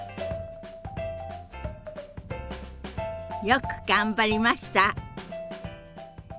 よく頑張りました。